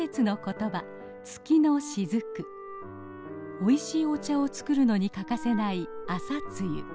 おいしいお茶を作るのに欠かせない朝露。